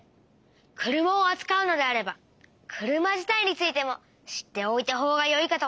車をあつかうのであれば車自体についても知っておいたほうがよいかと。